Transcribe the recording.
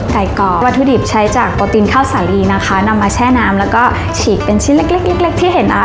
กรอบวัตถุดิบใช้จากโปรตีนข้าวสาลีนะคะนำมาแช่น้ำแล้วก็ฉีกเป็นชิ้นเล็กเล็กที่เห็นนะคะ